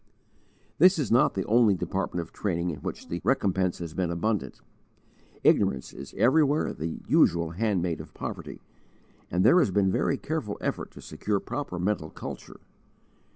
This is not the only department of training in which the recompense has been abundant. Ignorance is everywhere the usual handmaid of poverty, and there has been very careful effort to secure proper mental culture.